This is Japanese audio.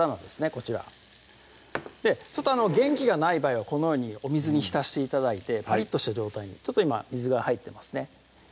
こちらちょっと元気がない場合はこのようにお水に浸して頂いてパリッとした状態にちょっと今水が入ってますね